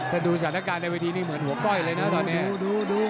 ถ้าดูสถานการณ์ในเวทีนี้เหมือนหัวก้อยเลยนะตอนนี้